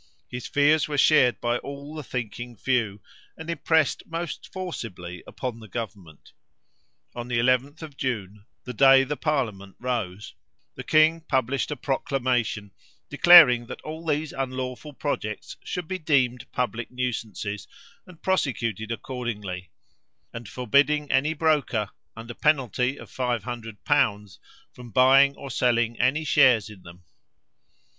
His fears were shared by all the thinking few, and impressed most forcibly upon the government. On the 11th of June, the day the parliament rose, the king published a proclamation, declaring that all these unlawful projects should be deemed public nuisances, and prosecuted accordingly, and forbidding any broker, under a penalty of five hundred pounds, from buying or selling any shares in them.